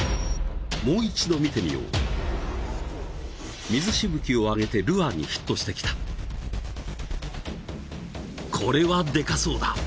もう一度見てみよう水しぶきをあげてルアーにヒットしてきたこれはデカそうだ